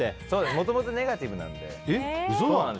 もともとネガティブなので。